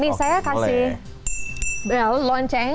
nih saya kasih bel lonceng